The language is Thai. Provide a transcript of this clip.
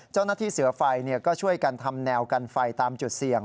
เจ้าหน้าที่เสือไฟก็ช่วยกันทำแนวกันไฟตามจุดเสี่ยง